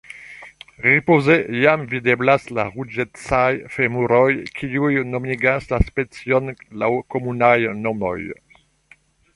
Ripoze jam videblas la ruĝecaj femuroj kiuj nomigas la specion laŭ komunaj nomoj.